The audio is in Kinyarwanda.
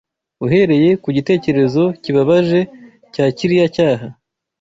Uhereye ku gitekerezo kibabaje cya kiriya cyaha